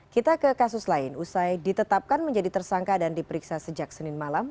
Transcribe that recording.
kita ke kasus lain usai ditetapkan menjadi tersangka dan diperiksa sejak senin malam